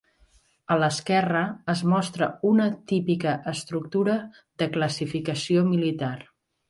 A l'esquerra es mostra una típica estructura de classificació militar.